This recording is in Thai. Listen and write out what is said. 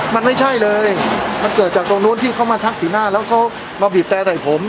มันไม่ใช่เลยมันเกิดจากตรงนู้นที่เขามาชักสีหน้าแล้วเขามาบีบแต่ใส่ผม